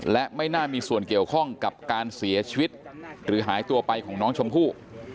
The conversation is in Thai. และไม่น่ามีส่วนเกี่ยวข้องกับการเสียชีวิตหรือหายตัวไปของน้องชมพู่